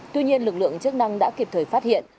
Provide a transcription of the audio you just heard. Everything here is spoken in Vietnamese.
tuy nhiên lực lượng chức năng đã kịp thời phát hiện